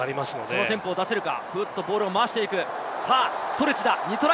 そのテンポを出せるか。